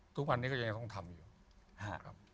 ทุกวันนี้ก็ยังต้องทำอยู่๕ครับ